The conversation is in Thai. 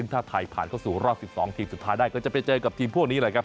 ถ้าไทยผ่านเข้าสู่รอบ๑๒ทีมสุดท้ายได้ก็จะไปเจอกับทีมพวกนี้แหละครับ